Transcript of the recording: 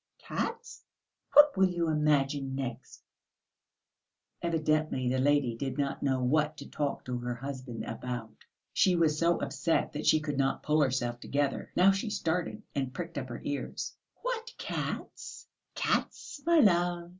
"Cats! What will you imagine next?" Evidently the lady did not know what to talk to her husband about. She was so upset that she could not pull herself together. Now she started and pricked up her ears. "What cats?" "Cats, my love.